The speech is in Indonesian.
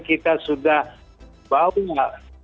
kita sudah bawa